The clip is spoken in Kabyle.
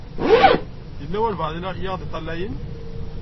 Yella walebɛaḍ i ɣ-d-iṭṭalayen.